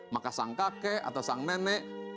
maka sang kakek atau sang nenek